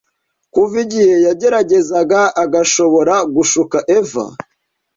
Kuva igihe yageragezaga agashobora gushuka Eva